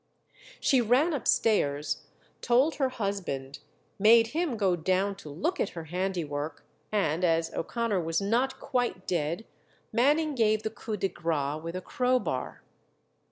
She ran upstairs, told her husband, made him go down to look at her handiwork, and as O'Connor was not quite dead, Manning gave the coup de grâce with a crowbar.